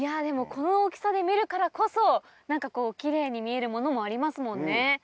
この大きさで見るからこそこうキレイに見えるものもありますもんね。